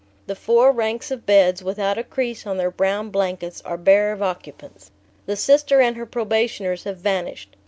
The four ranks of beds, without a crease on their brown blankets, are bare of occupants. The Sister and her probationers have vanished.